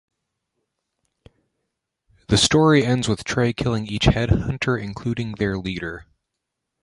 The story ends with Tre killing each Headhunter, including their leader.